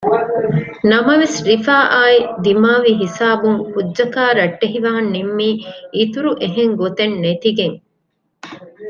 ނަމަވެސް ރިފާއާ ދިމާވި ހިސާބުން ކުއްޖަކާ ރައްޓެހިވާން ނިންމީ އިތުރު އެހެން ގޮތެއް ނެތިގެން